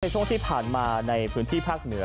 ช่วงที่ผ่านมาในพื้นที่ภาคเหนือ